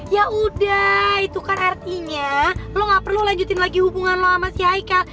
yaudah itu kan artinya lo gak perlu lanjutin lagi hubungan lo sama si haikal